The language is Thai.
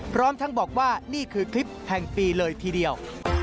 พร้อมทั้งบอกว่านี่คือคลิปแห่งปีเลยทีเดียว